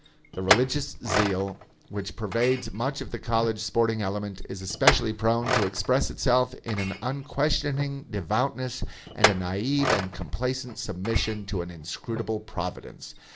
The religious zeal which pervades much of the college sporting element is especially prone to express itself in an unquestioning devoutness and a naive and complacent submission to an inscrutable Providence.